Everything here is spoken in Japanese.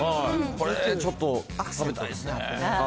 これちょっと、食べたいですね。